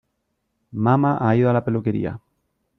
Mama ha ido a la peluquería.